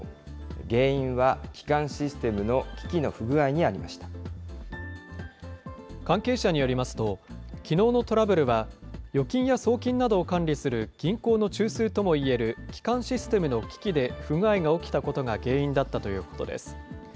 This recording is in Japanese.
原因は基幹システムの機器の不具関係者によりますと、きのうのトラブルは、預金や送金などを管理する銀行の中枢ともいえる基幹システムの機器で不具合が起きたことが原因だったということです。